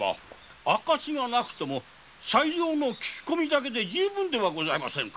証がなくとも才三の聞き込みだけで十分ではございませぬか！